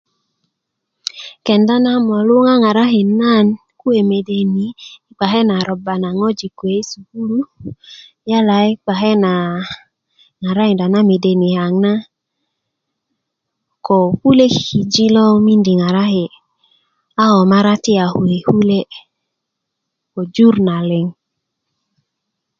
kenda na molu ŋaŋarakin nan kuwe' mede ni yi kpake na robba na ŋojik kuwe' yi sukulu yala i kpake na ŋarakinda na mede nikaŋ na ko kule' kikiji lo miidi ŋaŋaraki' ko maratika kuwe' kule' ko jur na liŋ